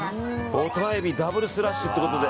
ボタンエビダブルスラッシュということで。